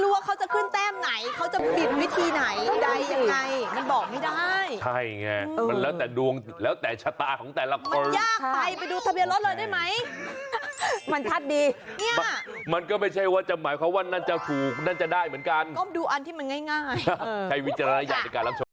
ว่าไม่รู้ว่าเขาจะขึ้นแต้มไหนเขาจะบินวิธีไหน